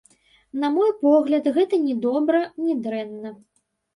На мой погляд, гэта ні добра, ні дрэнна.